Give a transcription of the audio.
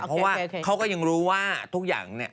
เพราะว่าเขาก็ยังรู้ว่าทุกอย่างเนี่ย